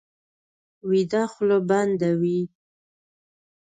ویده خوله بنده وي